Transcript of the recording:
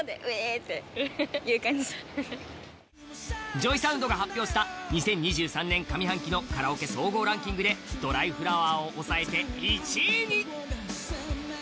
ＪＯＹＳＯＵＮＤが発表した２０２３年上半期のカラオケ総合ランキングで「ドライフラワー」を抑えて１位に！